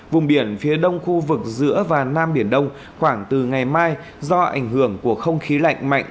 vùng biển phía đông khu vực giữa và nam biển đông khoảng từ ngày mai do ảnh hưởng của không khí lạnh mạnh